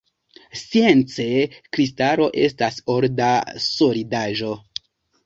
Science, kristalo estas orda solidaĵo.